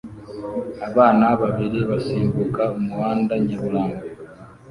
Abana babiri basimbuka umuhanda nyaburanga